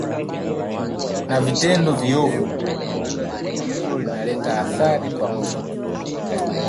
na vitendo viovu kwa sababu jambo hilo linaleta athari kwa mtoto